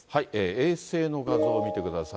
衛星の画像を見てください。